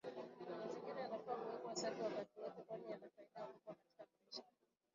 Mazingira yanafaa kuwekwa safi wakati wote kwani yana faida kubwa katika maisha